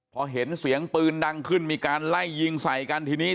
พอเห็นเสียงปืนดังขึ้นมีการไล่ยิงใส่กันทีนี้